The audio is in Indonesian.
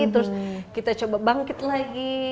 terus kita coba bangkit lagi